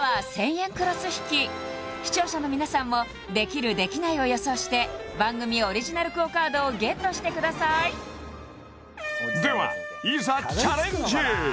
クロス引き視聴者の皆さんもできる？できない？を予想して番組オリジナルＱＵＯカードをＧＥＴしてくださいではいざチャレンジ